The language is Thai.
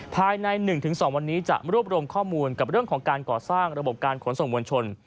ภายใน๑๒วันนี้จะรวบรวมข้อมูลกับเรื่องของการก่อสร้างระบบการขนส่งมวลชน